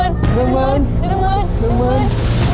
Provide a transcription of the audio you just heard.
น้องมืน